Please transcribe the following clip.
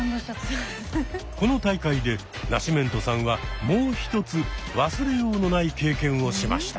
この大会でナシメントさんはもう一つ忘れようのない経験をしました。